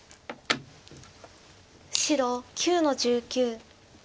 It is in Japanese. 白９の十九。